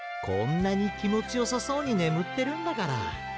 こんなにきもちよさそうにねむってるんだから。